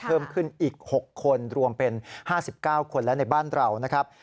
เพิ่มขึ้นอีก๖คนรวมเป็น๕๙คนและในบ้านเรานะครับ